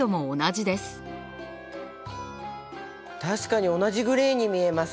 確かに同じグレーに見えます。